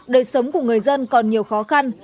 đời sống của người dân còn nhiều khó khăn